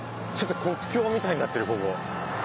ちょっと国境みたいになってるここ。